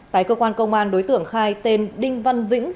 tại cơ quan công an đối tượng khai tên đinh văn vĩnh